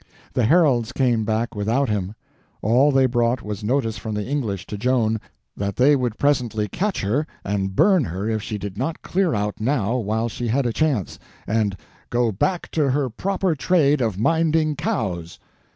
The heralds came back without him. All they brought was notice from the English to Joan that they would presently catch her and burn her if she did not clear out now while she had a chance, and "go back to her proper trade of minding cows."